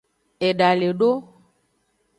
Eda le do.